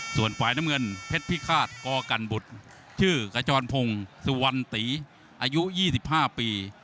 ส่วนฝ่ายน้ำเงินเพชรพิฆาตกกันบุตรชื่อขจรพงศ์สุวรรณตีอายุ๒๕ปี